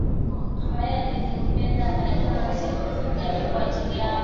ambaye alinipenda akajitoa nafsi yake kwa ajili yangu